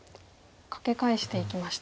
カケ返していきました。